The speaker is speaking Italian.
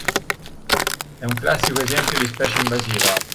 È un classico esempio di specie invasiva.